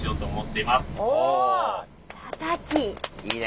いいね！